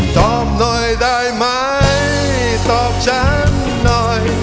ตอบหน่อยได้ไหมตอบฉันหน่อย